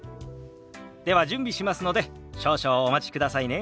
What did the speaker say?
では準備しますので少々お待ちくださいね。